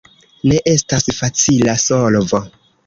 Ne estas facila solvo.